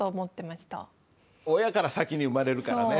親から先に生まれるからね。